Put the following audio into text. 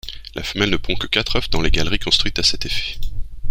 La femelle ne pond que quatre œufs dans les galeries construites à cet effet.